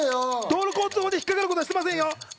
道路交通法で引っ掛かることはしてないですよ。